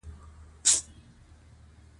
پسه د افغانستان د طبیعي پدیدو یو رنګ دی.